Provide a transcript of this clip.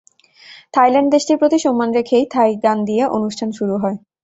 Thailand দেশটির প্রতি সম্মান রেখেই থাই গান দিয়ে অনুষ্ঠান শুরু হয়।